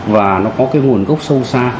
và nó có nguồn gốc sâu xa